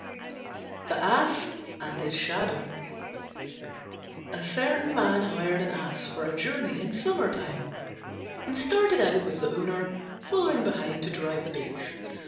THE ASS AND HIS SHADOW A certain man hired an Ass for a journey in summertime, and started out with the owner following behind to drive the beast.